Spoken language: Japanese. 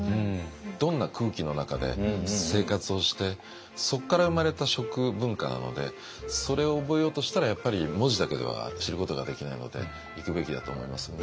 どんな空気の中で生活をしてそこから生まれた食文化なのでそれを覚えようとしたらやっぱり文字だけでは知ることができないので行くべきだと思いますね。